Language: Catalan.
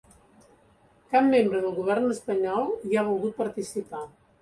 Cap membre del govern espanyol hi ha volgut participar.